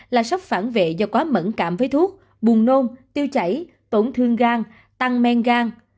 là sốc phản vệ do quá mẫn cảm với thuốc buồn nôn tiêu chảy tổn thương gan tăng men gan